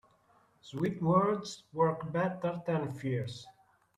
Sweet words work better than fierce.